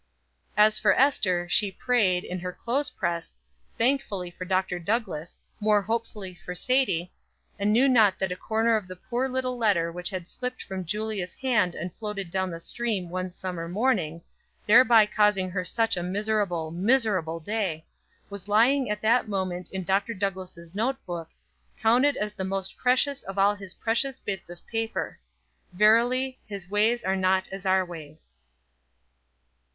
As for Ester, she prayed, in her clothes press, thankfully for Dr. Douglass, more hopefully for Sadie, and knew not that a corner of the poor little letter which had slipped from Julia's hand and floated down the stream one summer morning, thereby causing her such a miserable, miserable day, was lying at that moment in Dr. Douglass' note book, counted as the most precious of all his precious bits of paper. Verily "His ways are not as our ways."